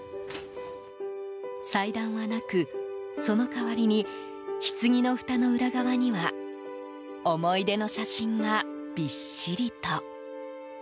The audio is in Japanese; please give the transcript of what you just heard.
祭壇はなく、その代わりにひつぎのふたの裏側には思い出の写真がびっしりと。